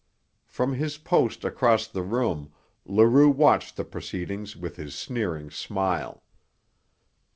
From his post across the room Leroux watched the proceedings with his sneering smile.